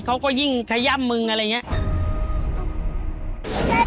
เขาก็ยิ่งขย่ำมึงอะไรอย่างนี้